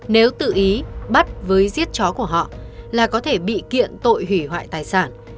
nếu tự ý bắt với giết chó của họ là có thể bị kiện tội hủy hoại tài sản